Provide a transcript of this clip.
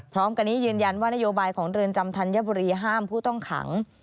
พร้อมกันนี้ยืนยันว่านโยบายของเรือนจำธัญบุรีห้ามผู้ต้องขัง